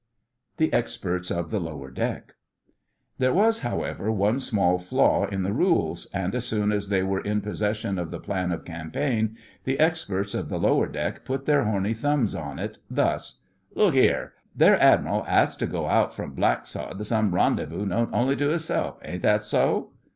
THE EXPERTS OF THE LOWER DECK There was, however, one small flaw in the rules, and as soon as they were in possession of the plan of campaign the experts of the lower deck put their horny thumbs on it—thus: 'Look 'ere. Their Admiral 'as to go out from Blacksod to some rendezvous known only to 'isself. Ain't that so?